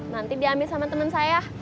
nanti diambil sama teman saya